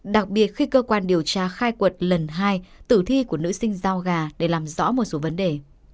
đặc biệt khi cơ quan điều tra khai quật lần hai tử thi của nữ sinh giao gà để làm rõ một số vấn đề